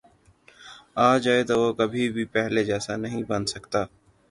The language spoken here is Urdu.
آ جائے تو وہ کبھی بھی پہلے جیسا نہیں بن سکتا